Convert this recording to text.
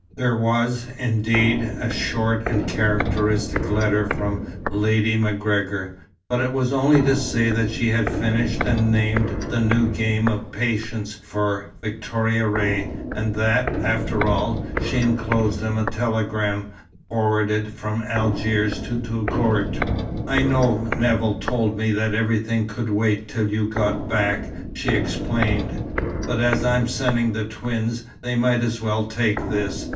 There was, indeed, a short and characteristic letter from Lady MacGregor, but it was only to say that she had finished and named the new game of Patience for Victoria Ray, and that, after all, she enclosed him a telegram, forwarded from Algiers to Touggourt. "I know Nevill told me that everything could wait till you got back," she explained, "but as I am sending the twins, they might as well take this.